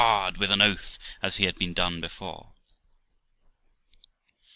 with an oath, as had been done before.